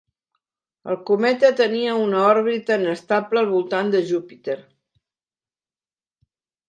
El cometa tenia una òrbita inestable al voltant de Júpiter.